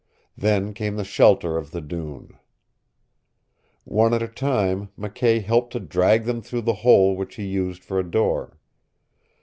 Then came the shelter of the dune. One at a time McKay helped to drag them through the hole which he used for a door.